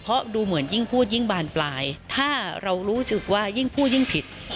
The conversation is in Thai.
เพราะดูเหมือนยิ่งพูดยิ่งบานปลายถ้าเรารู้สึกว่ายิ่งพูดยิ่งผิด